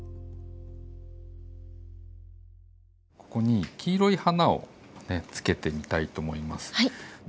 ここに黄色い花を付けてみたいと思います。